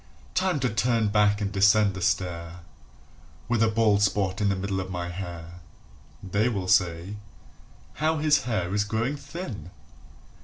Time to turn back and descend the stair, With a bald spot in the middle of my hair [They will say: "How his hair is growing thin!"